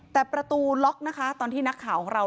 แต่ประตูล็อกนะคะตอนที่นักข่าวของเรา